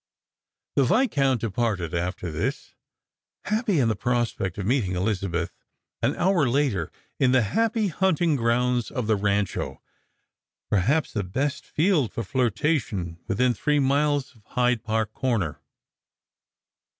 The Viscount departed after this, happy in the prospect of meeting Elizabeth an hour later in the happy hunting grounds of the Rancho, perhaps the best field for tiirtation within three miles of Hyde park corner.